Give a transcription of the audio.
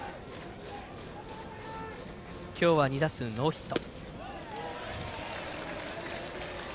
今日は２打数ノーヒット。